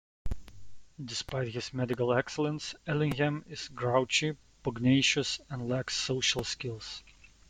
Despite his medical excellence, Ellingham is grouchy, pugnacious, and lacks social skills.